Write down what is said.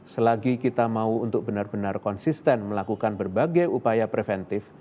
selagi kita mau untuk benar benar konsisten melakukan berbagai upaya preventif